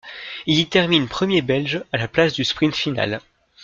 Il y termine premier Belge à la place du sprint final.